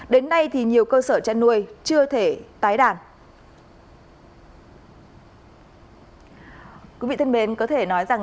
đến nay thì nhiều cơ sở chăn nuôi chưa thể tái đàn